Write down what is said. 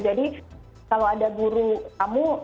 jadi kalau ada guru tamu